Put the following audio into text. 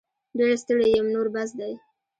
ډير ستړې یم نور بس دی